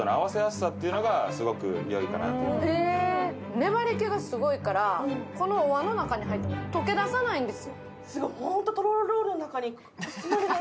粘りけがすごいから、このおわんの中に入っていても、溶け出さないんです。